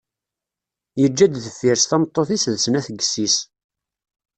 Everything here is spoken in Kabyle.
Yeǧǧa-d deffir-s tameṭṭut-is d snat n yessi-s.